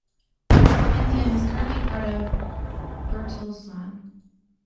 Pantheon is currently part of Bertelsmann.